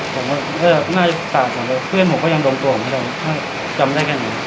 ผมก็เอ่อน่าจะต่างจากนั้นเพื่อนผมก็ยังหลงตัวไม่จำได้กันเลย